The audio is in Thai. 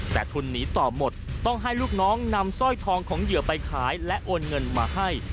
แต่ทุนหนีต่อหมดต้องให้ลูกน้องนำสร้อยทองของเหยื่อไปขายและโอนเงินมาให้